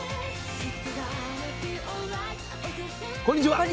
こんにちは。